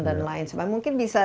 dan lain sebagainya mungkin bisa